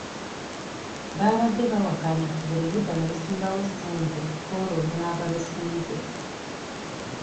Baabadde bawakana buli ludda ne lusimbawo ssente ku olwo olunaaba lusinze.